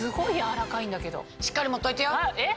しっかり持っといてよ。え？え？